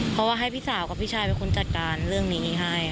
เพราะว่าให้พี่สาวกับพี่ชายเป็นคนจัดการเรื่องนี้ให้